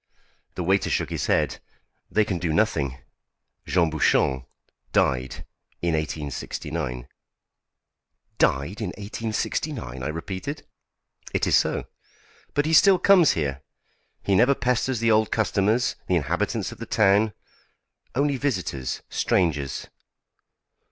The waiter shook his head. "They can do nothing. Jean Bouchon died in 1869." "Died in 1869!" I repeated. "It is so. But he still comes here. He never pesters the old customers, the inhabitants of the town only visitors, strangers."